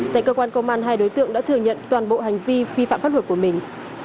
tại cơ quan công an hai đối tượng đã thừa nhận toàn bộ hành vi vi phạm pháp luật của mình